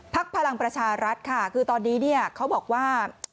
ภาคพลังประชารัฐค่ะคือตอนนี้เขาบอกว่า